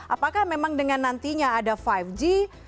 apakah memang dengan nantinya ada lima g